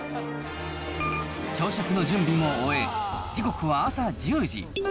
朝食の準備も終え、時刻は朝１０時。